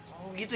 oh gitu ya